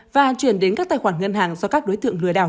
và chuyển đến các tài khoản ngân hàng do các đối tượng lừa đảo